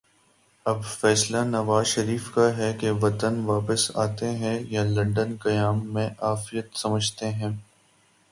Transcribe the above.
اب فیصلہ نوازشریف کا ہے کہ وطن واپس آتے ہیں یا لندن قیام میں عافیت سمجھتے ہیں۔